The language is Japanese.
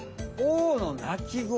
「Ｏ」の鳴き声。